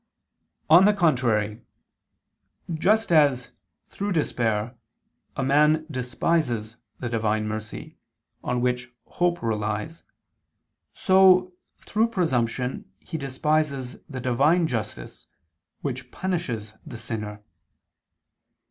On the contrary, Just as, through despair, a man despises the Divine mercy, on which hope relies, so, through presumption, he despises the Divine justice, which punishes the sinner.